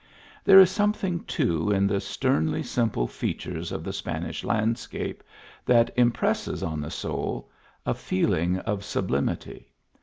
re is something, too, in the sternly simple es of the Spanish landscape, that impresses on the soul a feeling of sublimity.